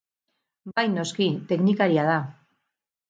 Bai noski, teknikaria da.